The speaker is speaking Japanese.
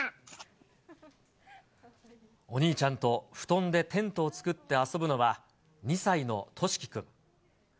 お兄ちゃんと布団でテントを作って遊ぶのは、２歳のとしきくん。